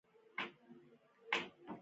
شعر او شایري د افغانانو ذوق دی.